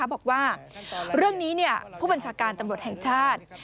บอกว่าเรื่องนี้ผู้บัญชาการตำรวจแห่งชาติ